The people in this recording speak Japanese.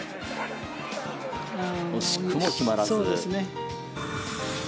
惜しくも決まらず。